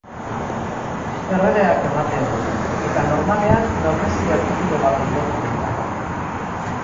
Erregeak ematen du eta normalean noblezia titulu bati loturik dago.